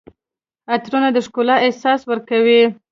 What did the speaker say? عطرونه د ښکلا احساس ورکوي.